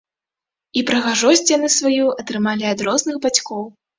І прыгажосць яны сваю атрымалі ад розных бацькоў.